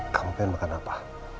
kamu pengen makan apa